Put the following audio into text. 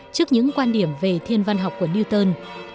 trước những quan điểm về thiên văn học của newton